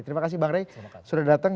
terima kasih bang rey sudah datang